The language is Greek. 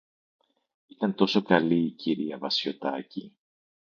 Ήταν τόσο καλή η κυρία Βασιωτάκη